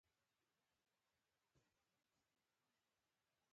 همزولي خوشحالېږي نن پۀ ضد ګډا کوينه